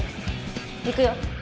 行くよ。